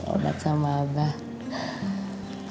udat sama abah